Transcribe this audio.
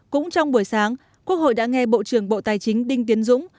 cũng trong buổi sáng quốc hội đã nghe bộ trưởng bộ tài chính đinh tiến dũng